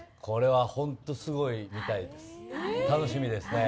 これは本当すごいみたいです。